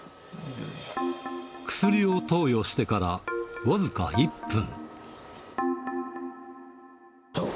薬を投与してから、僅か１分。